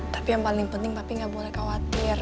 tapi yang paling penting tapi gak boleh khawatir